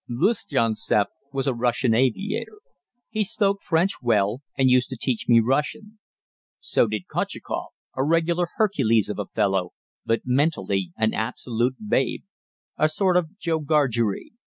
Lustianseff was a Russian aviator. He spoke French well, and used to teach me Russian. So did Kotcheskoff, a regular Hercules of a fellow, but mentally an absolute babe a sort of Joe Gargery.